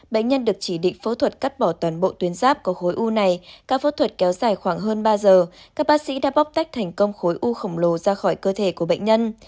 bệnh nhân được chỉ định phẫu thuật cắt bỏ toàn bộ tuyến ráp của khối u này các phẫu thuật kéo dài khoảng hơn ba giờ các bác sĩ đã bóc tách thành công khối u khổng lồ ra khỏi cơ thể của bệnh nhân